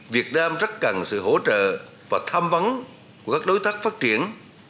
việt nam rất cần sự hỗ trợ và tham vấn của các đối tác phát triển